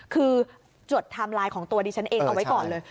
คือจดไทม์ไลน์ของตัวดิฉันเองเอาไว้ก่อนเลย